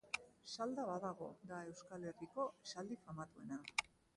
"Salda badago" da Euskal Herriko esaldi famatuena.